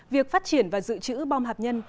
việc phát triển và dự trữ bom hạt nhân